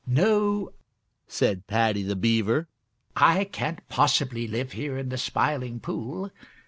"No," said Paddy the Beaver, "I can't possibly live here in the Smiling Pool.